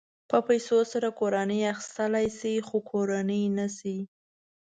په پیسو سره کور اخيستلی شې خو کورنۍ نه شې.